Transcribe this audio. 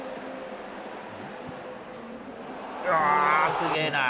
すげーな。